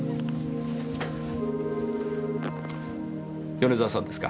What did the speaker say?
米沢さんですか？